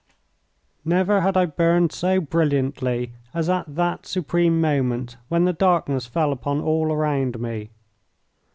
Never had I burned so brilliantly as at that supreme moment when the darkness fell upon all around me.